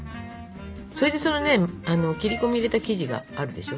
それでそのね切り込み入れた生地があるでしょ。